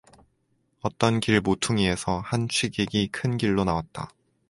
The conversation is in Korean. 어떤 길 모퉁이에서 한 취객이 큰길로 나왔다.